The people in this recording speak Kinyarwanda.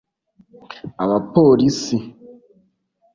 Abapolisi